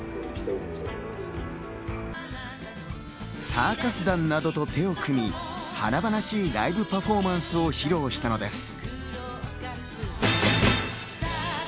サーカス団などと手を組み、華々しいライブパフォーマンスを披露したのです。